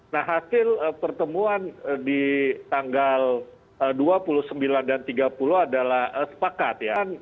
nah hasil pertemuan di tanggal dua puluh sembilan dan tiga puluh adalah sepakat ya